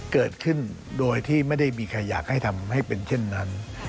เกิดขึ้นโดยที่ไม่ได้มีใครอยากให้ทำให้เป็นเช่นนั้น